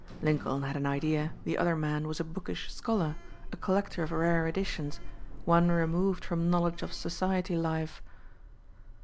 Lincoln had an idea the other man was a bookish scholar, a collector of rare editions, one removed from knowledge of society life.